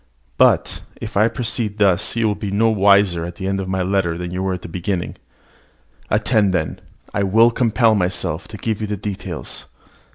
But, if I proceed thus, you will be no wiser at the end of my letter than you were at the beginning. Attend, then, and I will compel myself to give you the details.